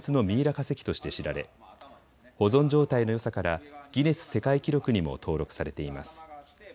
化石として知られ保存状態のよさからギネス世界記録にも登録されています。